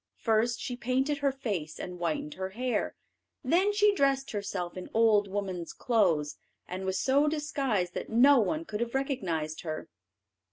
First, she painted her face, and whitened her hair; then she dressed herself in old woman's clothes, and was so disguised that no one could have recognised her.